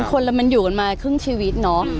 คนละมันอยู่มาครึ่งชีวิตนะ